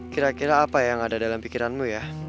kira kira apa yang ada dalam pikiranmu ya